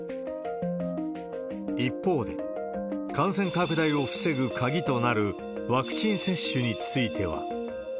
一方で、感染拡大を防ぐ鍵となるワクチン接種については。